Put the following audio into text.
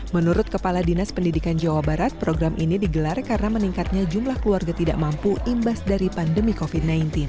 menurut kepala dinas pendidikan jawa barat program ini digelar karena meningkatnya jumlah keluarga tidak mampu imbas dari pandemi covid sembilan belas